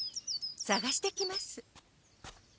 さがしてきます。